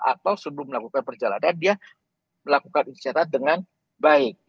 atau sebelum melakukan perjalanan dia melakukan istirahat dengan baik